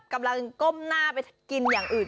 กำลังก้มหน้าไปกินอย่างอื่น